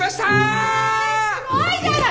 へえすごいじゃない！